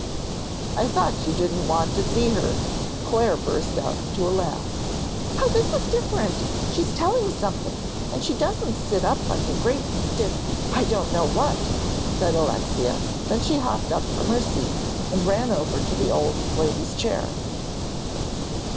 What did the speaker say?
"I thought you didn't want to see her," Clare burst out into a laugh. "Oh, this is different; she's telling something, and she doesn't sit up like a great, stiff I don't know what," said Alexia. Then she hopped up from her seat and ran over to the old lady's chair.